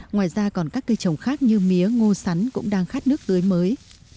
ngoài ra còn các cây trồng khác như mía ngô sắn cũng đang khát nước tưới mới